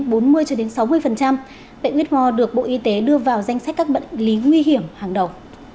bệnh whitmore được bộ y tế đưa vào danh sách các bệnh lý nguy hiểm hàng đầu